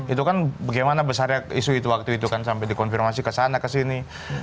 itu kan bagaimana besarnya isu itu waktu itu kan sampai dikonfirmasi kesana kesini